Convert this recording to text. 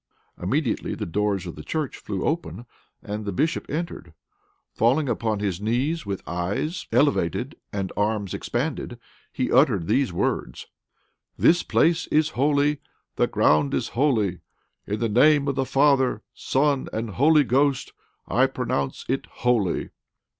Immediately the doors of the church flew open, and the bishop entered. Falling upon his knees, with eyes elevated and arms expanded, he uttered these words: "This place is holy; the ground is holy: in the name of the Father, Son, and Holy Ghost, I pronounce it holy."